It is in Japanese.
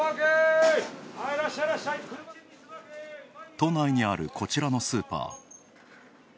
都内にある、こちらのスーパー。